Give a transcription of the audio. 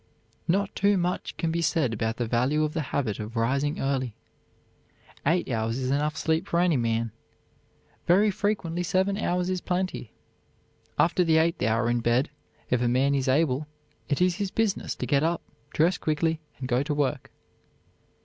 Not too much can be said about the value of the habit of rising early. Eight hours is enough sleep for any man. Very frequently seven hours is plenty. After the eighth hour in bed, if a man is able, it is his business to get up, dress quickly, and go to work.